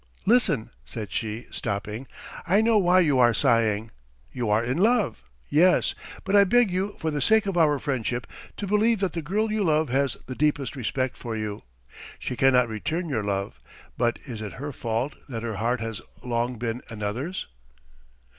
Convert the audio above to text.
"Listen," said she, stopping. "I know why you are sighing. You are in love, yes; but I beg you for the sake of our friendship to believe that the girl you love has the deepest respect for you. She cannot return your love; but is it her fault that her heart has long been another's?"